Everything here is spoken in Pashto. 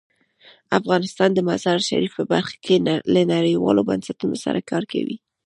افغانستان د مزارشریف په برخه کې له نړیوالو بنسټونو سره کار کوي.